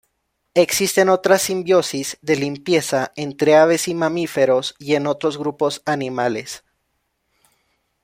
Existen otras simbiosis de limpieza entre aves y mamíferos y en otros grupos animales.